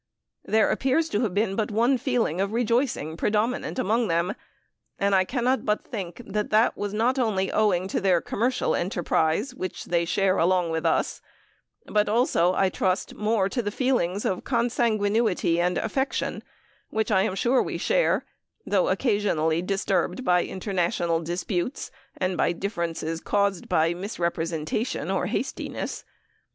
There appears to have been but one feeling of rejoicing predominant among them; and I can not but think that that was not only owing to their commercial enterprise which they shared along with us but also, I trust, more to the feelings of consanguinity and affection which I am sure we share, though occasionally disturbed by international disputes, and by differences caused by misrepresentations or hastiness.